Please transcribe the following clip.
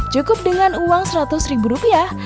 cukup dengan uang seratus ribu rupiah